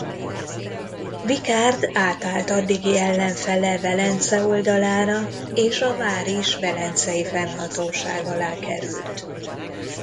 Vicard átállt addigi ellenfele Velence oldalára és a vár is velencei fennhatóság alá került.